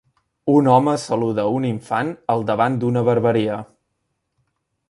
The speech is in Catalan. Un home saluda un infant al davant d'una barberia.